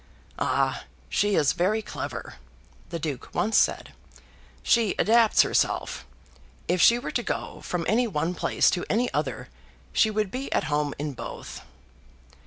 "Ah; she is very clever," the Duke once said, "she adapts herself. If she were to go from any one place to any other, she would be at home in both."